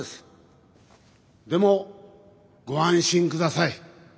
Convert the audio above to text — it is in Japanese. でもご安心下さい。